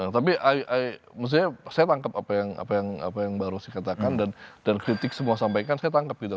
tapi i i maksudnya saya tangkap apa yang apa yang apa yang baru sih katakan dan dan kritik semua sampaikan saya tangkap gitu